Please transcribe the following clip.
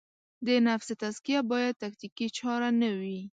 د نفس تزکیه باید تکتیکي چاره نه وي.